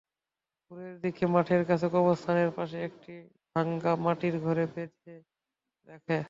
ভোরের দিকে মাঠের কাছে কবরস্থানের পাশে একটি ভাঙা মাটির ঘরে বেঁধে রাখে।